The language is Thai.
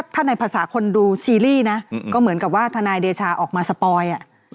ถ้าในภาษาคนดูซีรีส์นะก็เหมือนกับว่าทนายเดชาออกมาสปอย